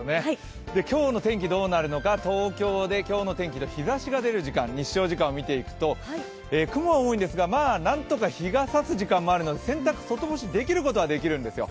今日の天気、どうなるのか、東京で今日の天気の日ざしが出る時間日照時間を見ていくと雲は多いんですが、まあ、何とか日が差す時間もあるので洗濯、外干しできることはできるんですよ。